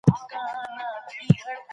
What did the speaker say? د علومو هره څانګه ځانګړي معیارونه لري.